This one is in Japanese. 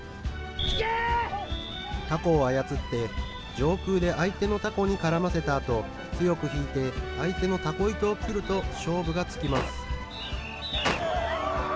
たこを操って上空で相手のたこに絡ませたあと、強く引いて、相手のたこ糸を切ると勝負がつきます。